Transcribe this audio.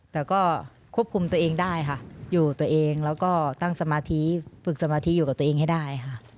แต่ก็ควบคุมตัวเองได้ค่ะอยู่ตัวเองแล้วก็ตั้งสมาธิฝึกสมาธิอยู่กับตัวเองให้ได้ค่ะ